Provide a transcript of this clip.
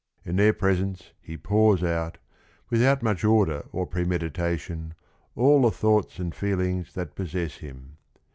In their presence he pours out, without much order or premeditation, all the thoughts and feelings that possess him.